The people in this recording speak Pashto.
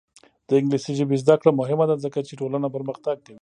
د انګلیسي ژبې زده کړه مهمه ده ځکه چې ټولنه پرمختګ کوي.